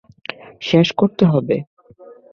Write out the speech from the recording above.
শেষ করতে হবে।